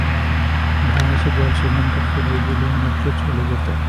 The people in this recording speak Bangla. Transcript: ঘাস-জল সেখানকার ফুরিয়ে গেলে অন্যত্র চলে যেত।